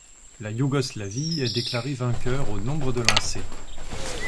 La Yougoslavie est déclarée vainqueur au nombre de lancers.